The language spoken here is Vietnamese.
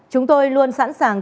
chúng tôi luôn sẵn sàng